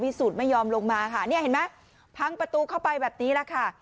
สูจนไม่ยอมลงมาค่ะเนี่ยเห็นไหมพังประตูเข้าไปแบบนี้แหละค่ะ